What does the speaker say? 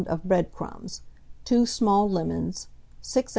of bread crumbs, 2 small lemons, 6 oz.